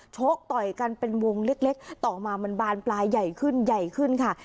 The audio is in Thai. ชกต่อยกันเป็นวงเล็กต่อมามันบานปลายใหญ่ขึ้นใหญ่ขึ้นค่ะ